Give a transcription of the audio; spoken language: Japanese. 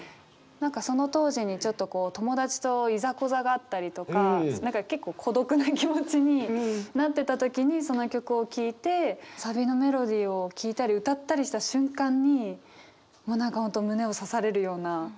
何かその当時にちょっとこう友達といざこざがあったりとか何か結構孤独な気持ちになってた時にその曲を聴いてサビのメロディーを聴いたり歌ったりした瞬間にもう何か本当胸を刺されるような。